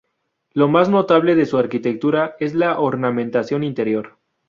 Lo más notable de su arquitectura es la ornamentación interior.